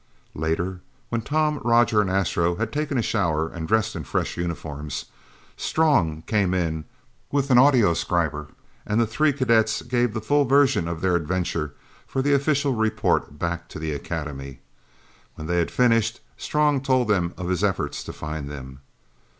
Later, when Tom, Roger and Astro had taken a shower and dressed in fresh uniforms, Strong came in with an audioscriber and the three cadets gave the full version of their adventure for the official report back to the Academy. When they had finished, Strong told them of his efforts to find them.